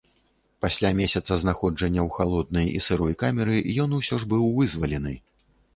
Пасля месяца знаходжання ў халоднай і сырой камеры, ён усё ж быў вызвалены.